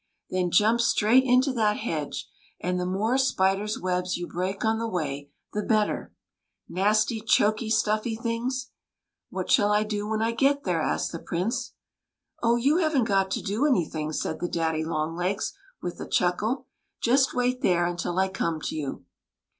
" Then jump straight into that hedge ; and the more spiders' webs you break on the way, the better — nasty, choky, stuffy things !"" What shall I do when I get there ?" asked the Prince. " Oh, you have n't got to do anything," said the daddy longlegs, with a chuckle. " Just wait there until I come to you."